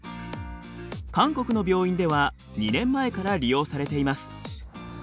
韓国の病院では２年前から利用されています。